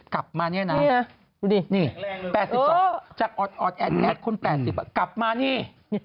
กลับมานี่นะนี่๘๒จากอดแอดคน๘๐อ่ะกลับมานี่